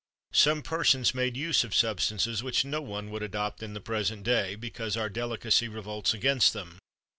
Some persons made use of substances which no one would adopt in the present day, because our delicacy revolts against them.